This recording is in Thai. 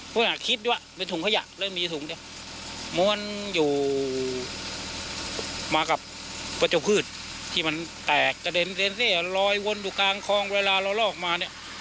โปรดเจ้าพืชที่มันแตกจะเดนรอยวนสุดกลางคลองเวลาเราลอกมา